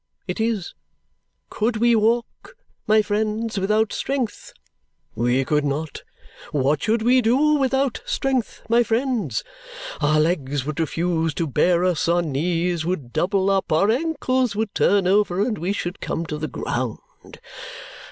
It is. Could we walk, my friends, without strength? We could not. What should we do without strength, my friends? Our legs would refuse to bear us, our knees would double up, our ankles would turn over, and we should come to the ground.